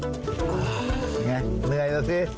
อย่างไรเหนื่อยแล้วสิ